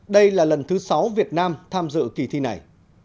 đây là lần thứ sáu việt nam tham dự kỳ thi này